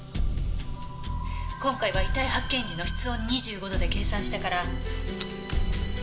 今回は遺体発見時の室温２５度で計算したから。